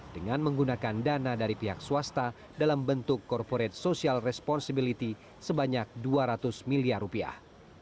dengan menggunakan dana dari pihak swasta dalam bentuk corporate social responsibility sebanyak dua ratus miliar rupiah